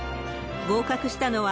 合格したのは、